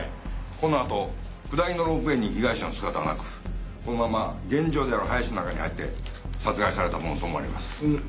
このあと下りのロープウエーに被害者の姿はなくこのまま現場である林の中に入って殺害されたものと思われます。